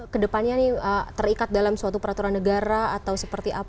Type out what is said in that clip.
kedepannya nih terikat dalam suatu peraturan negara atau seperti apa